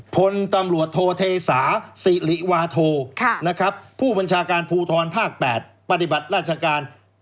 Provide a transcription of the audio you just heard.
พลตำรวจโทเทศาสิริวาโทนะครับผู้บัญชาการภูทรภาค๘ปฏิบัติราชการ